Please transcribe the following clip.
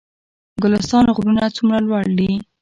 ګلستان غرونه څومره لوړ دي؟